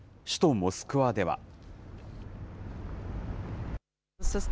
首都モスクワでは。